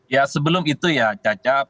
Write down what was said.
ya sebelum itu ya